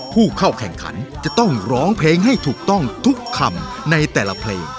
ผู้เข้าแข่งขันจะต้องร้องเพลงให้ถูกต้องทุกคำในแต่ละเพลง